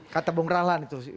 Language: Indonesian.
kata bung rahlan itu